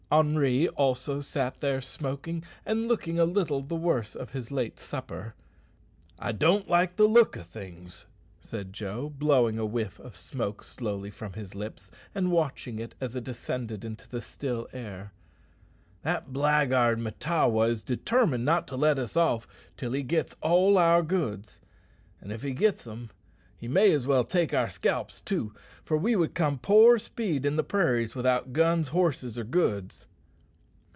Henri also sat there smoking, and looking a little the worse of his late supper. "I don't like the look o' things," said Joe, blowing a whiff of smoke slowly from his lips, and watching it as it ascended into the still air. "That blackguard Mahtawa is determined not to let us off till he gits all our goods; an' if he gits them, he may as well take our scalps too, for we would come poor speed in the prairies without guns, horses, or goods."